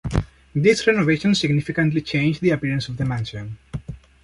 These renovations significantly changed the appearance of the mansion.